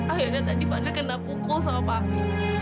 akhirnya tadi fadil kena pukul sama papi